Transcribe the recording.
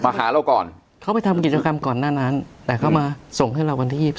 หาเราก่อนเขาไปทำกิจกรรมก่อนหน้านั้นแต่เขามาส่งให้เราวันที่๒๓